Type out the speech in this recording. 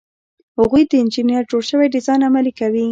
هغوی د انجینر جوړ شوی ډیزاین عملي کوي.